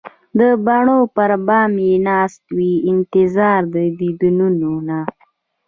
د بڼو پر بام یې ناست وي انتظار د دیدنونه